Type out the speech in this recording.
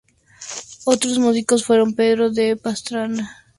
Otros músicos fueron Pedro de Pastrana, Juan Vázquez o Diego Ortiz.